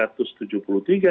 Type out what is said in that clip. yang meninggal kurun waktu itu